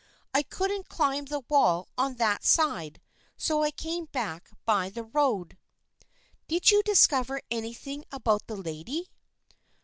I couldn't climb the wall on that side, so I came back by the road." " Did you discover anything about the lady